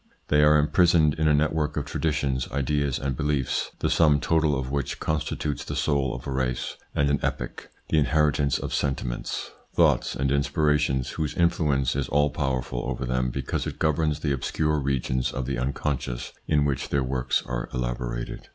They are imprisoned in a network of traditions, ideas, and beliefs, the sum total of which constitutes the soul of a race and an epoch, the inheritance of sentiments, thoughts, and inspirations, whose influence is all powerful over them because it governs the obscure regions of the unconscious in which their works are elaborated.